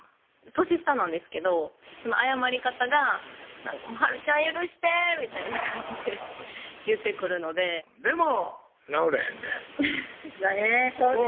年下なんですけど謝り方が「はるちゃん許して」みたいな感じで言ってくるのででもなおれへんでねぇそうですよね